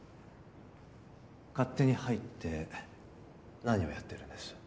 勝手に入って何をやってるんです？